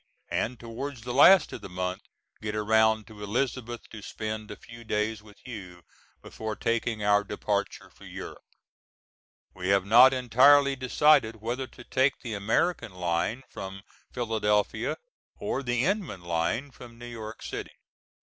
and toward the last of the month get around to Elizabeth to spend a few days with you before taking our departure for Europe. We have not entirely decided whether to take the American line from Philadelphia or the Inman line from New York City.